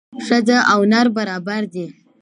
ښځه او نر برابر دي